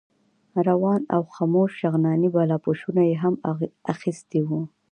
روان او خموش شغناني بالاپوشونه یې هم اخیستي وو.